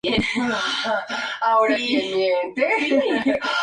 Nació en San Vicente, Talcahuano.